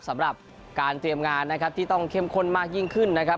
สำหรับการเตรียมงานนะครับที่ต้องเข้มข้นมากยิ่งขึ้นนะครับ